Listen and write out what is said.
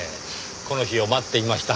この日を待っていました。